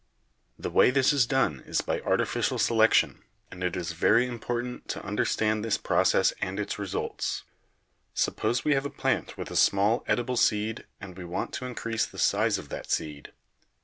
"The way this is done is by artificial selection, and it is very important to understand this process and its results. Suppose we have a plant with a small edible seed and we want to increase the size of that seed.